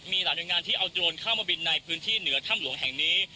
มีหลายหน่วยงานที่เอาโดรนเข้ามาบินในพื้นที่เหนือถ้ำหลวงแห่งนี้